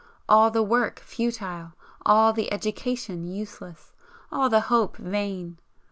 All the work futile, all the education useless, all the hope vain.